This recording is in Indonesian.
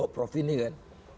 prof ini kan